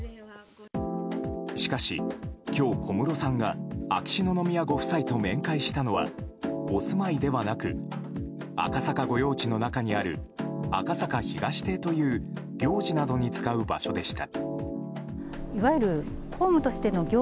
しかし、今日、小室さんが秋篠宮ご夫妻と面会したのはお住まいではなく赤坂御用地の中にある赤坂東邸という行事などに使う場所でした。